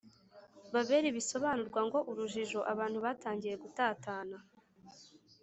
Babeli bisobanurwa ngo urujijo Abantu batangiye gutatana